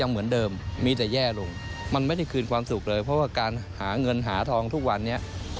มันไม่ได้คืนความสุขเลยเพราะว่าการหาเงินหาทองทุกวันนี้สำบาก